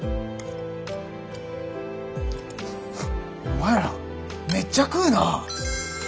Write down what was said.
お前らめっちゃ食うな。